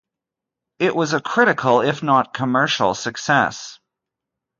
It was a critical, if not commercial, success.